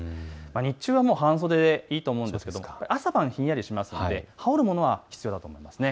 日中は半袖でいいと思うんですが朝晩ひんやりしますので羽織るものは必要だと思います。